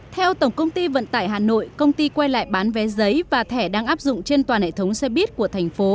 theo tổng công ty vận tải hà nội công ty quay lại bán vé giấy và thẻ đang áp dụng trên toàn hệ thống xe buýt của thành phố